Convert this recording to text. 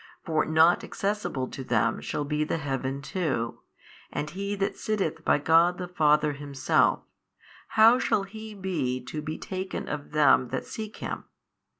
For not accessible to them shall be the Heaven too, and He That sitteth by God the Father Himself, how shall He be to be taken of them that seek Him?